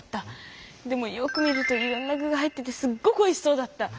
でもよく見るといろんな具が入っててすっごくおいしそうだった！